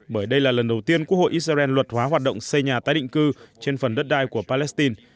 bởi đây là lần đầu tiên quốc hội israel luật hóa hoạt động xây nhà tái định cư trên phần đất đai của palestine